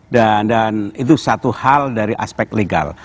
dan itu satu hal dari aspek legal